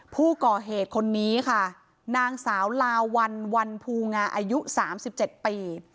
ผู้ก่อเหตุคนนี้ค่ะนางสาวลาวันวันภูงาอายุ๓๗ปี